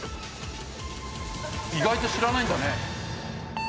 意外と知らないんだね。